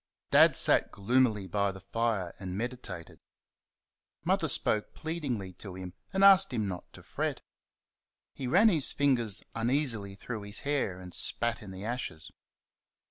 Dad sat gloomily by the fire and meditated. Mother spoke pleadingly to him and asked him not to fret. He ran his fingers uneasily through his hair and spat in the ashes.